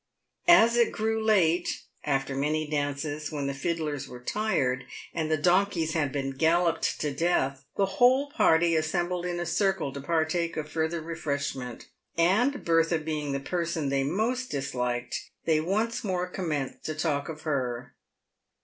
As it grew late — after many dances, when the fiddlers were tired, and the donkeys had been galloped to death — the whole party assem bled in a circle to partake of further refreshment, and Bertha being the person they most disliked, they once more commenced to talk of her.